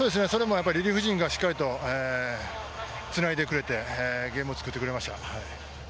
リリーフ陣がしっかりとつないでくれてゲームを作ってくれました。